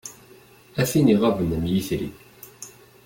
A tin iɣaben am yitri.